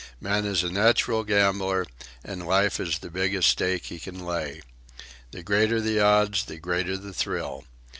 Man is a natural gambler, and life is the biggest stake he can lay. The greater the odds, the greater the thrill.